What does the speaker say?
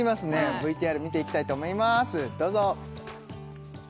ＶＴＲ見ていきたいと思いますどうぞ！